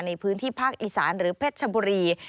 ในพื้นที่ภาคอีสานหรือเพชรชบุรี